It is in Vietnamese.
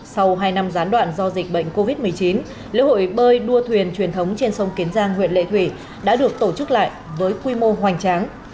sau hai năm gián đoạn do dịch bệnh covid một mươi chín lễ hội bơi đua thuyền truyền thống trên sông kiến giang huyện lệ thủy đã được tổ chức lại với quy mô hoành tráng